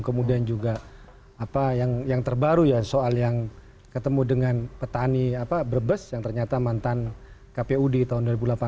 kemudian juga apa yang terbaru ya soal yang ketemu dengan petani brebes yang ternyata mantan kpu di tahun dua ribu delapan belas